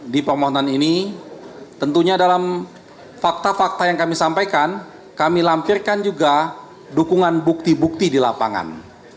di permohonan ini tentunya dalam fakta fakta yang kami sampaikan kami lampirkan juga dukungan bukti bukti di lapangan